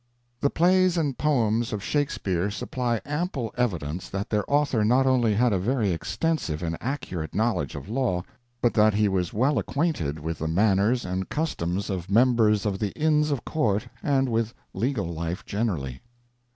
The Plays and Poems of Shakespeare supply ample evidence that their author not only had a very extensive and accurate knowledge of law, but that he was well acquainted with the manners and customs of members of the Inns of Court and with legal life generally.